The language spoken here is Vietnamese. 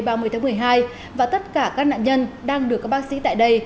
trong ngày hôm nay ba mươi tháng một mươi hai và tất cả các nạn nhân đang được các bác sĩ tại đây